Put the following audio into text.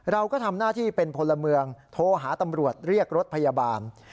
เราก็ทำหน้าที่เป็นพลเมืองโทรหาตำรวจเรียกรถพยาบาล